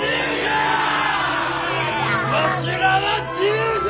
わしらは自由じゃ！